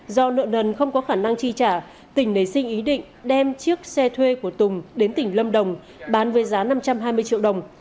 do nợ nần không có khả năng chi trả tỉnh nảy sinh ý định đem chiếc xe thuê của tùng đến tỉnh lâm đồng bán với giá năm trăm hai mươi triệu đồng